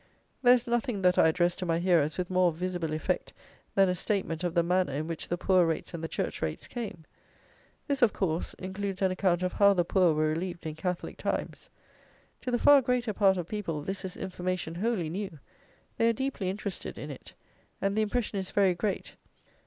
There is nothing that I address to my hearers with more visible effect than a statement of the manner in which the poor rates and the church rates came. This, of course, includes an account of how the poor were relieved in Catholic times. To the far greater part of people this is information wholly new; they are deeply interested in it; and the impression is very great.